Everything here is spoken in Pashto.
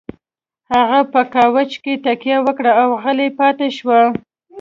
هغې په کاوچ کې تکيه وکړه او غلې پاتې شوه.